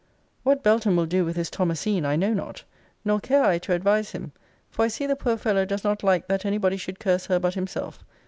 What Belton will do with his Thomasine I know not! nor care I to advise him: for I see the poor fellow does not like that any body should curse her but himself.